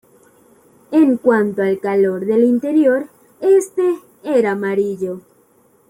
En cuanto al color del interior, este era amarillo.